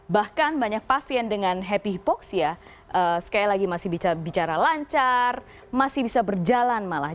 bahkan banyak pasien dengan happy hypoxia sekali lagi masih bicara lancar masih bisa berjalan malah